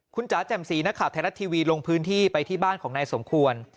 คุณจำสีนะครับไทยรัฐทีวีลงพื้นที่ไปที่บ้านของนายสมควร